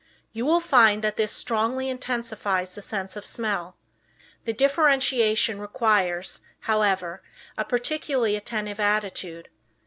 You will find that this strongly intensifies the sense of smell. This differentiation requires, however, a peculiarly attentive attitude.